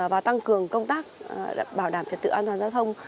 và tăng cường công tác bảo đảm trật tự an toàn giao thông